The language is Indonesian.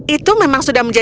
itu memang sudah menjadi